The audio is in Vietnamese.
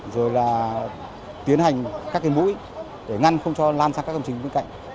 rồi là tiến hành các cái mũi để ngăn không cho lan sang các công trình bên cạnh